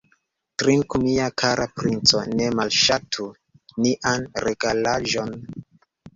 Trinku, mia kara princo, ne malŝatu nian regalaĵon!